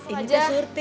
ini tuh surti